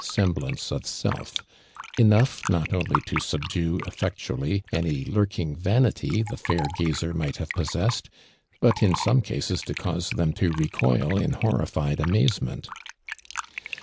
<omblance of self, enough, not only to subdue effectually any lurking vanity the fair gazer might iiave ])Ossossed, but in some cases to cause them to recoil in horrified ama/ement.